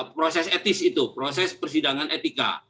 proses etis itu proses persidangan etika